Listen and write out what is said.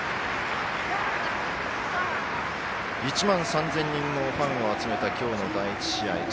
１ 万３０００人のファンを集めたきょうの第１試合。